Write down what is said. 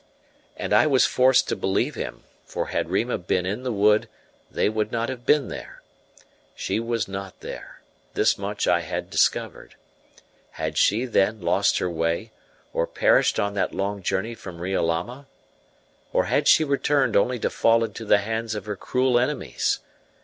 And I was forced to believe him; for had Rima been in the wood they would not have been there. She was not there, this much I had discovered. Had she, then, lost her way, or perished on that long journey from Riolama? Or had she returned only to fall into the hands of her cruel enemies?